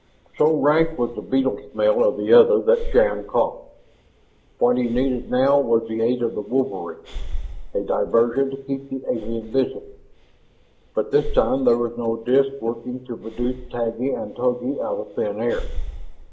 So rank was the beetle smell of the other that Shann coughed. What he needed now was the aid of the wolverines, a diversion to keep the alien busy. But this time there was no disk working to produce Taggi and Togi out of thin air.